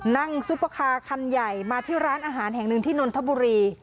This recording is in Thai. ซุปเปอร์คาร์คันใหญ่มาที่ร้านอาหารแห่งหนึ่งที่นนทบุรี